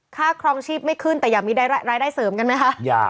ค่าครองชีพไม่ขึ้นแต่ยังมีได้รายได้เสริมนี่ไหมค่ะยาก